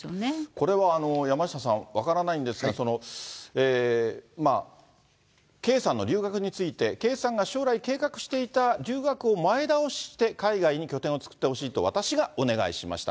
これは山下さん、分からないんですが、圭さんの留学について、圭さんが将来計画していた留学を前倒しして、海外に拠点を作ってほしいと、私がお願いしました。